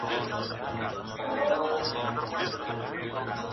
دا نو ژوند سو درد یې پرېږده او یار باسه,